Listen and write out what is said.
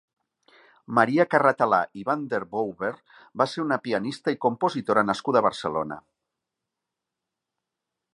Maria Carratalà i Van den Wouver va ser una pianista i compositora nascuda a Barcelona.